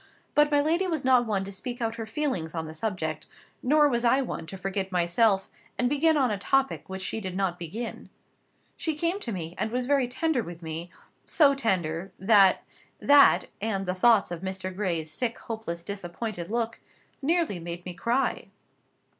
But my lady was not one to speak out her feelings on the subject; nor was I one to forget myself, and begin on a topic which she did not begin. She came to me, and was very tender with me; so tender, that that, and the thoughts of Mr. Gray's sick, hopeless, disappointed look, nearly made me cry.